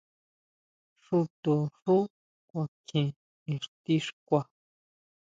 Xúto xú kuakjien ixti xkua.